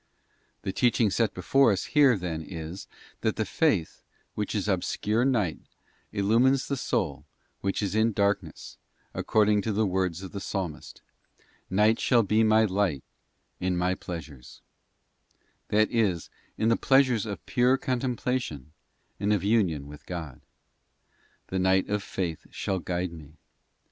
The teaching set before us here then is, that the faith, which is obscure night, illumines the soul which is in darkness, according to the words of the Psalmist, ' Night shall be my light in my pleasures,'{ that is, in the pleasures of pure contemplation and of union with God. The night of faith shall guide me.